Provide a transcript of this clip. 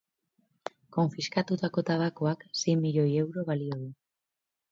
Konfiskatutako tabakoak sei milioi euro balio du.